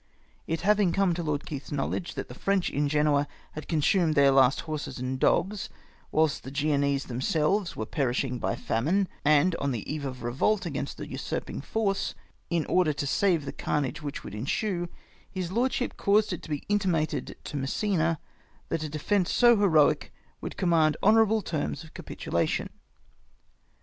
It liavino; come to Lord Keith's knowledge that the French in Genoa had consumed their last liorses and dogs, whilst the Genoese themselves were perishing by famine, and on the eve of revolt against the usurping force — in order to save the carnage which would ensue, his lordship caused it to be mtimatcd to Massena that a defence so heroic would command honourable terms of capitulation.